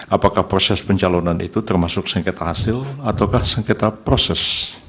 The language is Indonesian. apakah proses pencalonan itu termasuk sengketa hasil atau sengketa proses